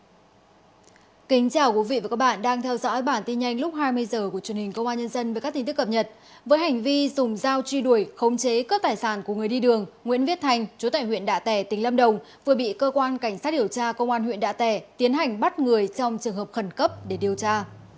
kính chào quý vị và các bạn đang theo dõi bản tin nhanh lúc hai mươi h của truyền hình công an nhân dân với các tin tức cập nhật với hành vi dùng dao truy đuổi khống chế cướp tài sản của người đi đường nguyễn viết thành chú tại huyện đạ tẻ tỉnh lâm đồng vừa bị cơ quan cảnh sát điều tra công an huyện đạ tẻ tiến hành bắt người trong trường hợp khẩn cấp để điều tra